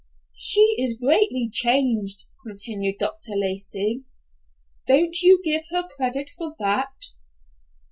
"She is greatly changed," continued Dr. Lacey. "Don't you give her credit for that?"